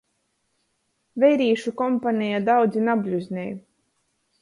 Veirīšu kompaneja daudzi nabļuznej.